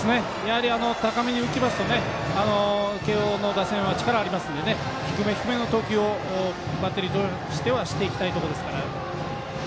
高めに浮きますと慶応の打線は力があるので低め低めの投球をバッテリーとしてはしていきたいところですから。